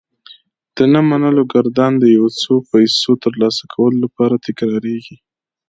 د نه منلو ګردان د يو څو پيسو ترلاسه کولو لپاره تکرارېږي.